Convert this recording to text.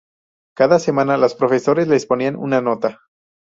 Cada semana, los profesores les ponían una nota.